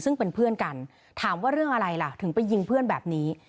ซึ่งเป็นเพื่อนกันถามว่าเรื่องอะไรล่ะถึงไปยิงเพื่อนแบบนี้